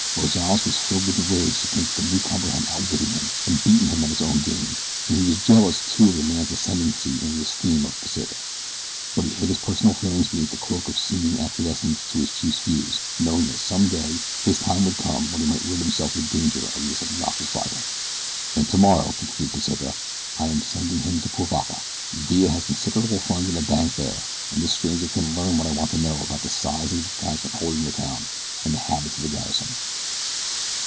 Rozales was filled with rage to think that the newcomer had outwitted him, and beaten him at his own game, and he was jealous, too, of the man's ascendancy in the esteem of Pesita; but he hid his personal feelings beneath a cloak of seeming acquiescence in his chief's views, knowing that some day his time would come when he might rid himself of the danger of this obnoxious rival. "And tomorrow," continued Pesita, "I am sending him to Cuivaca. Villa has considerable funds in bank there, and this stranger can learn what I want to know about the size of the detachment holding the town, and the habits of the garrison."